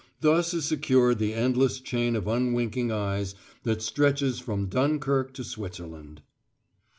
Thus is secured the endless chain of unwinking eyes that stretches from Dunkirk to Switzerland.